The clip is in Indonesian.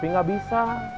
mau tapi gak bisa